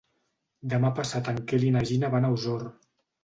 Demà passat en Quel i na Gina van a Osor.